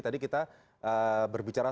tadi kita berbicara